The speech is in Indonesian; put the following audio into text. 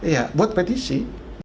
iya buat petisi